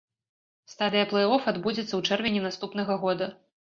Стадыя плэй-оф адбудзецца ў чэрвені наступнага года.